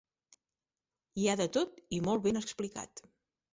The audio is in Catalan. Hi ha de tot i molt ben explicat.